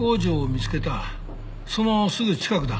そのすぐ近くだ。